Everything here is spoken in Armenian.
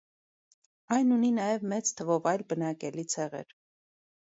Այն ունի նաև մեծ թվով այլ բնակելի ցեղեր։